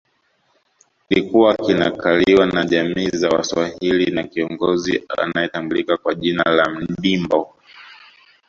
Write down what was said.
Kilikuwa kinakaliwa na jamii za Waswahili na kiongozi anayetambulika kwa jina la Mndimbo